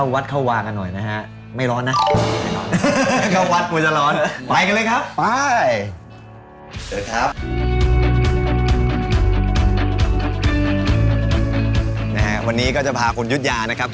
วันนี้ก็จะพาคุณยุธยานะครับ